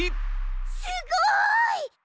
すごい！